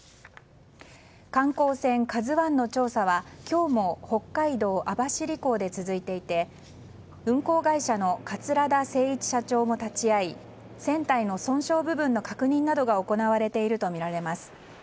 観光船「ＫＡＺＵ１」の調査は今日も北海道網走港で続いていて運航会社の桂田精一社長も立ち会い船体の損傷部分の確認などが行われているとみられます。